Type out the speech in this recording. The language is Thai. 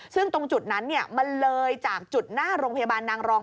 ซึ่งตรงจุดนั้นมันเลยจากจุดหน้าโรงพยาบาลนางรอง